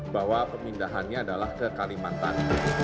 bahwa pemindahannya adalah ke kalimantan